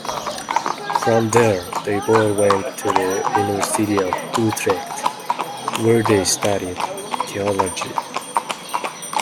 From there, they both went to the University of Utrecht where they studied theology.